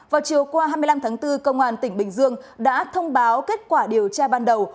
vào chiều qua hai mươi năm tháng bốn công an tỉnh bình dương đã thông báo kết quả điều tra ban đầu